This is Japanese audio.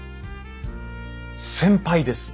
先輩です。